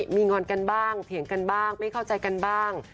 มีงอนกันบ้างเถียงกันบ้างไม่เข้าใจกันบ้าง